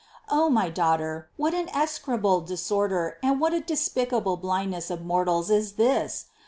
O my daughter, what an execrable disorder and what a despicable blind ness of mortals is this?